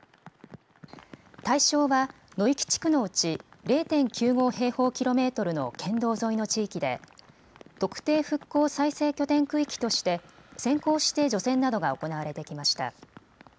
対象は野行地区のうち０．９５平方キロメートルの県道沿いの地域で特定復興再生拠点区域として先行して除染などが行われてきました。